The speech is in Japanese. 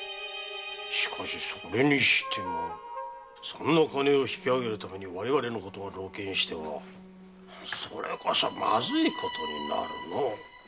しかしそれにしてもそんな金を引き上げるために我々のことが露見してはそれこそまずいことになるのう。